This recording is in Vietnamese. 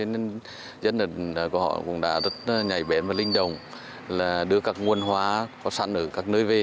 nên dân dân cũng đã rất tích cực